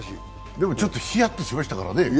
でも、ちょっとヒヤッとしましたからね。